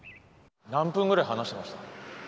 何分ぐらい話してました？